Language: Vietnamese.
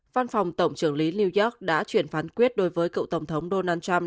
văn phòng tổng trưởng lý new york đã chuyển phán quyết đối với cựu tổng thống donald trump